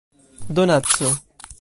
donaco